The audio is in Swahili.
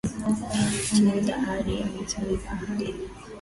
Timiza ahadi anatimiza ahadi.